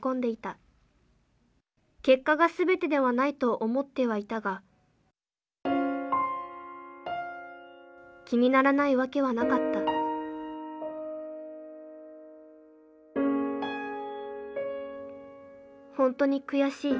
結果が全てではないと思ってはいたが気にならないわけはなかったほんとに悔しい。